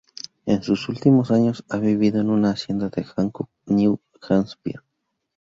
En sus últimos años, ha vivido en una hacienda en Hancock, New Hampshire.